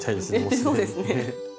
そうですね。